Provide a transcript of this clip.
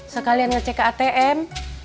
sekalian ngecek ke atm